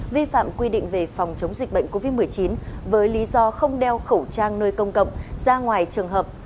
vi phạm quy định về phòng chống dịch bệnh covid một mươi chín với lý do không đeo khẩu trang nơi công cộng ra ngoài trường hợp